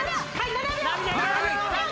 ７秒。